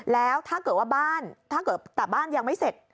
แล้วถ้าเกิดว่าบ้านถ้าเกิดแต่บ้านยังไม่เสร็จ